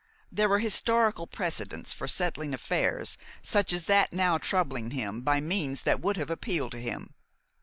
There were historical precedents for settling affairs such as that now troubling him by means that would have appealed to him.